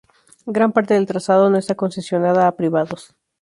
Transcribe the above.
Gran parte del trazado no está concesionada a privados.